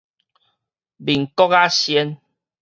民國仔仙